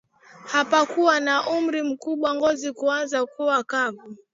apokuwa na umri mkubwa ngozi kuanza kuwa kavu